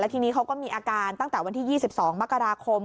ทีนี้เขาก็มีอาการตั้งแต่วันที่๒๒มกราคม